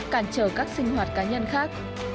cản trở các sinh hoạt cá nhân khác